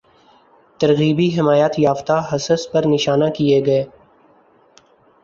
ترغیبی حمایتیافتہ حصص پر نشانہ کیے گئے